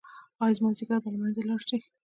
ایا زما ځیګر به له منځه لاړ شي؟